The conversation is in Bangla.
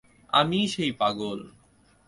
আমিই সেই পাগল।